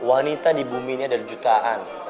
ada miliaran orang di bumi ini ada jutaan